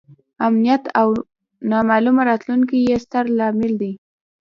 امنیت او نامعلومه راتلونکې یې ستر لامل دی.